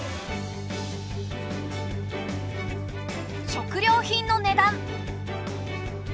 食料品の値段。